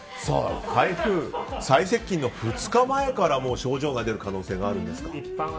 台風、最接近の２日前から症状が出る可能性があるんですか。